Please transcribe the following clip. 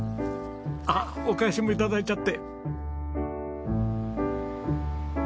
あっお返しも頂いちゃって。